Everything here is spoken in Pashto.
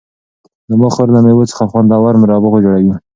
زما خور له مېوو څخه خوندور مربا جوړوي.